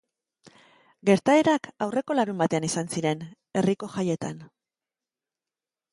Gertaerak aurreko larunbatean izan ziren, herriko jaietan.